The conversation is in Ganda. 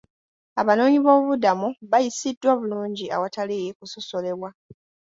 Abanoonyiboobubudamu bayisiddwa bulungi awatali kusosolebwa.